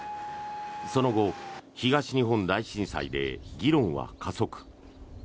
その後、東日本大震災で議論は加速。